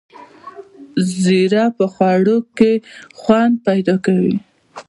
زیره په خوړو کې خوند پیدا کوي